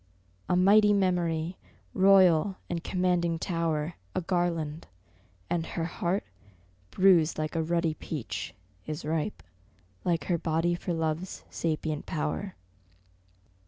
A mighty memory, royal and commanding tower, A garland: and her heart, bruised like a ruddy peach, Is ripe like her body for Love's sapient power.